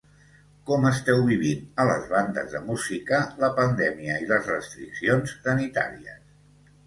Com esteu vivint a les bandes de música la pandèmia i les restriccions sanitàries?